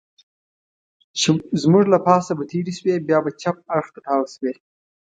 چې زموږ له پاسه به تېرې شوې، بیا به چپ اړخ ته تاو شوې.